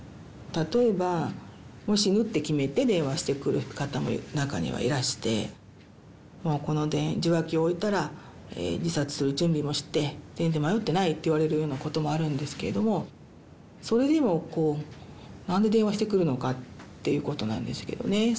例えばもう死ぬって決めて電話してくる方も中にはいらしてもうこの受話器を置いたら自殺する準備もして全然迷っていないって言われるようなこともあるんですけれどもそれでもこう何で電話してくるのかっていうことなんですけどね。